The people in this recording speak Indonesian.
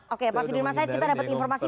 oke pak sudirman said kita dapat informasi